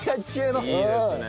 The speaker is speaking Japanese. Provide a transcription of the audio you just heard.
いいですね。